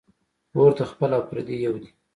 اور ته خپل او پردي یو دي